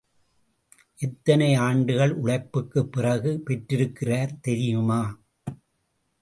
எத்தனை ஆண்டுகள் உழைப்புக்குப் பிறகு பெற்றிருக்கிறார் தெரியுமா?